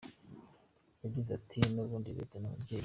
Yagize ati “N’ubundi leta ni umubyeyi.